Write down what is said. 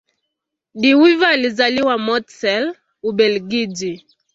De Wever alizaliwa Mortsel, Ubelgiji.